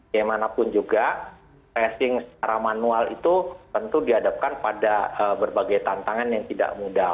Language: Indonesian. bagaimanapun juga tracing secara manual itu tentu dihadapkan pada berbagai tantangan yang tidak mudah